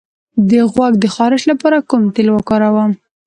د غوږ د خارش لپاره کوم تېل وکاروم؟